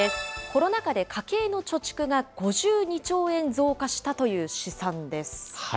コロナ禍で家計の貯蓄が５２兆円増加したという試算です。